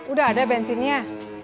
udah ada bensinnya